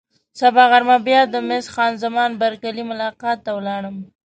سبا غرمه بیا د مس خان زمان بارکلي ملاقات ته ولاړم.